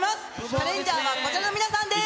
チャレンジャーはこちらの皆さんです。